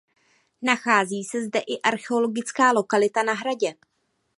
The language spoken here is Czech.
Nachází se zde i archeologická lokalita "Na Hradě".